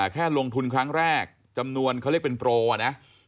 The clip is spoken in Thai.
แค่ลงทุนครั้งแรกจำนวนเขาเรียกเป็นโปรอ่ะนะ